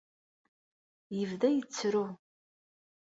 Yebda yettru.